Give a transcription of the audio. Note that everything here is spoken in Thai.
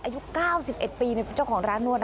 อายุ๙๑ปีเป็นเจ้าของร้านนวด